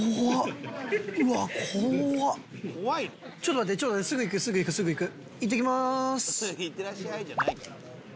ちょっと待ってちょっと待ってすぐいくすぐいくすぐいく。